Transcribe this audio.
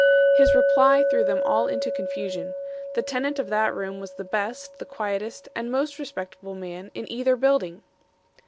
"'His reply threw them all into confusion. The tenant of that room was the best, the quietest and most respectable man in either building.